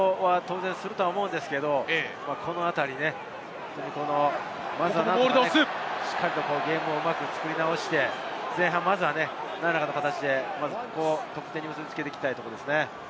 動揺は当然すると思うんですけれど、まずは、何とかしっかりゲームを作り直して、前半、まずは何らかの形で得点に結びつけていきたいですよね。